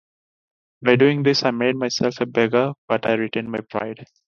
By doing this I made myself a beggar but I retained my pride.